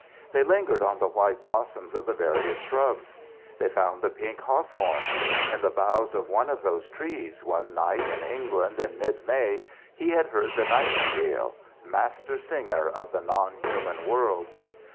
They lingered on the white blossoms of the various shrubs. They found the pink hawthorn; in the boughs of one of those trees one night in England in mid May he had heard the nightingale, master singer of the non human world.